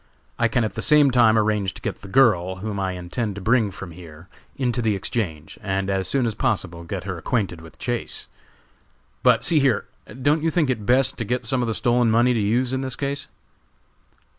I can at the same time arrange to get the girl, whom I intend to bring from here, into the Exchange, and as soon as possible get her acquainted with Chase. But see here, don't you think it best to get some of the stolen money to use in this case?"